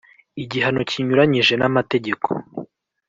igihano kinyuranyije n amategeko